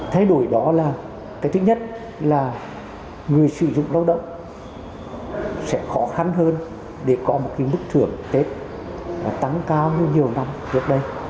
thay đổi đó là cái thứ nhất là người sử dụng lao động sẽ khó khăn hơn để có một cái mức thưởng tết tăng cao như nhiều năm trước đây